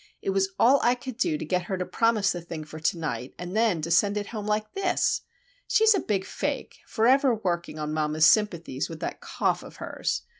"It was all I could do to get her to promise the thing for to night, and then to send it home like this! She's a big fake,—forever working on mamma's sympathies with that cough of hers!